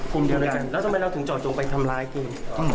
กลุ่มเดียวกันแล้วทำไมเราถึงจอดตรงไปทำร้ายคุณ